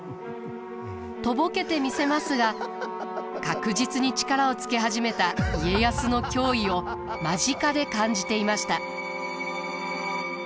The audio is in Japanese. とぼけてみせますが確実に力をつけ始めた家康の脅威を間近で感じていました。